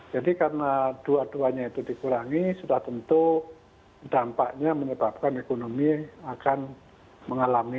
jadi karena dua duanya itu dikurangi sudah tentu dampaknya menyebabkan ekonomi akan mengalami